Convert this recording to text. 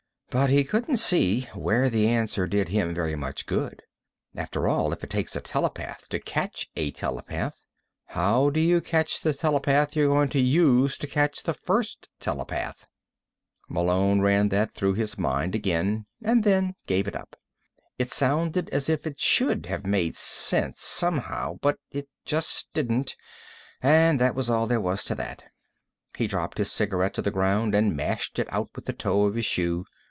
But he couldn't see where the answer did him very much good. After all, if it takes a telepath to catch a telepath, how do you catch the telepath you're going to use to catch the first telepath? Malone ran that through his mind again, and then gave it up. It sounded as if it should have made sense, somehow, but it just didn't, and that was all there was to that. He dropped his cigarette to the ground and mashed it out with the toe of his shoe.